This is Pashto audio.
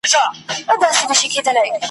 چي ناهیده پکښی سوځي چي د حق چیغه زیندۍ ده ..